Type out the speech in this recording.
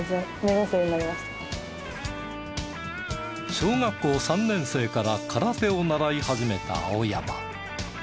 小学校３年生から空手を習い始めた青山。